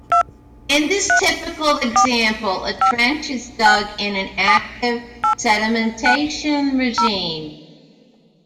In this typical example, a trench is dug in an active sedimentation regime.